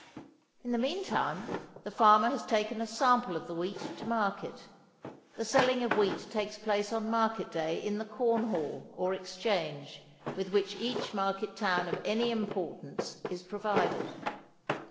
In the meantime the farmer has taken a sample of the wheat to market. The selling of wheat takes place on market day in the corn hall, or exchange, with which each market town of any importance is provided.